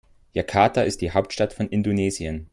Jakarta ist die Hauptstadt von Indonesien.